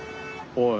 おい